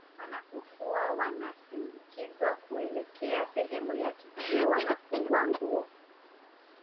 Wanapokuwa wanasindikizwa kuelekea sehemu ya tukio wanafungwa nguo